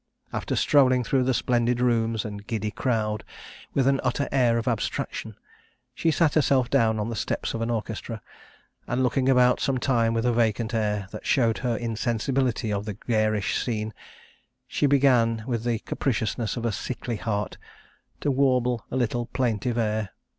After strolling through the splendid rooms and giddy crowd with an utter air of abstraction, she sat herself down on the steps of an orchestra, and looking about some time with a vacant air, that showed her insensibility of the garish scene, she began, with the capriciousness of a sickly heart, to warble a little plaintive air.